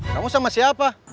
kamu sama siapa